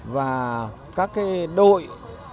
và các cái đội